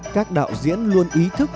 các đạo diễn luôn ý thức